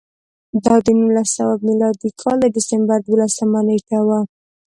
دا د نولس سوه میلادي کال د ډسمبر دولسمه نېټه وه